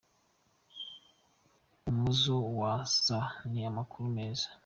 "Umuzo wa Zaha ni amakuru meza.